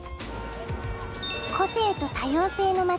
個性と多様性の街